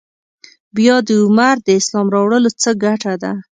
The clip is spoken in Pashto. بیا د عمر د اسلام راوړلو څه ګټه ده.